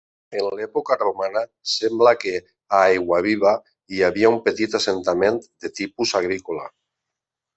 En l'època romana sembla que a Aiguaviva hi havia un petit assentament de tipus agrícola.